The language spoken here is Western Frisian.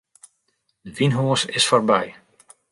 De wynhoas is foarby.